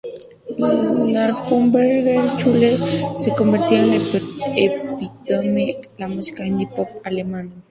La "Hamburger Schule" se convertía en el epítome de la música Indie pop Alemana.